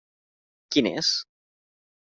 Quin és?